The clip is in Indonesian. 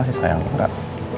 gak semua sih sayang enggak